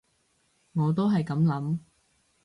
我都係噉諗